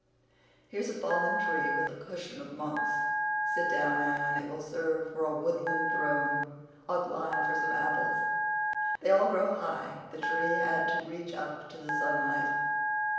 "Here's a fallen tree with a cushion of moss. Sit down, Anne—it will serve for a woodland throne. I'll climb for some apples. They all grow high—the tree had to reach up to the sunlight."